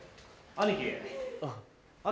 兄貴。